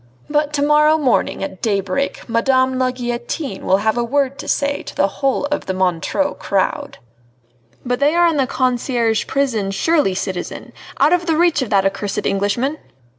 But to morrow morning at daybreak Madame la Guillotine will have a word to say to the whole of the Montreux crowd!" "But they are in the Conciergerie prison surely, citizen! out of the reach of that accursed Englishman?"